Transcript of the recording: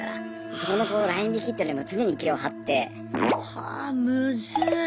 そこのライン引きっていうのにも常に気を張って。